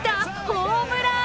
ホームラン！